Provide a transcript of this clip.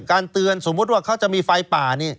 การเตือนสมมุติว่าเขาจะมีไฟป่านี่